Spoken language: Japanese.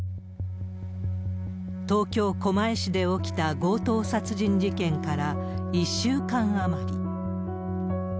東京・狛江市で起きた強盗殺人事件から１週間余り。